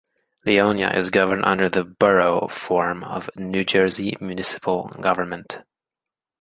Leonia is governed under the Borough form of New Jersey municipal government.